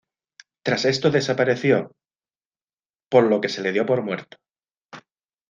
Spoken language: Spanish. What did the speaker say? Tras esto desapareció por lo que se le dio por muerto.